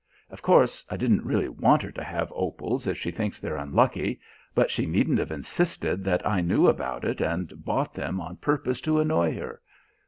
Of course, I didn't really want her to have opals if she thinks they're unlucky, but she needn't have insisted that I knew about it and bought them on purpose to annoy her.